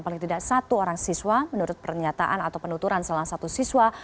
paling tidak satu orang siswa menurut pernyataan atau penuturan salah satu siswa